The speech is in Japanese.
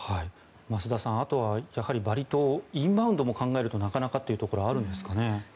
増田さん、あとはバリ島インバウンドも考えるとなかなかというところはあるんですかね。